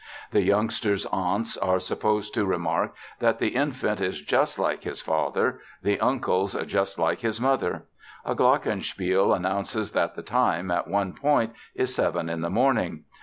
The youngster's aunts are supposed to remark that the infant is "just like his father", the uncles "just like his mother". A glockenspiel announces that the time, at one point is seven in the morning.